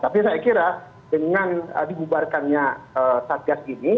tapi saya kira dengan dibubarkannya satgas ini